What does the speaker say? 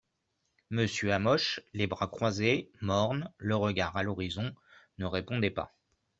Monsieur Hamoche, les bras croises, morne, le regard a l'horizon, ne répondait pas.